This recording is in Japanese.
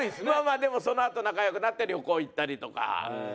まあまあでもそのあと仲良くなって旅行行ったりとか。